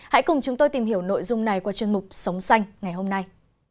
hãy cùng chúng tôi tìm hiểu nội dung này qua chuyên mục sống xanh ngày hôm nay